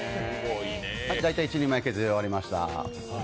大体一人前削り終わりました。